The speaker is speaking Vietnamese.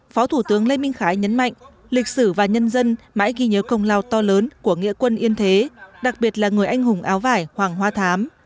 phó thủ tướng lê minh khái nhấn mạnh lịch sử và nhân dân mãi ghi nhớ công lao to lớn của nghĩa quân yên thế đặc biệt là người anh hùng áo vải hoàng hoa thám